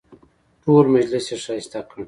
ټول مجلس یې ښایسته کړ.